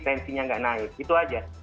tensinya nggak naik itu aja